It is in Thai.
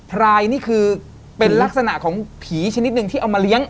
พรายนี่คือเป็นลักษณะของผีชนิดหนึ่งที่เอามาเลี้ยง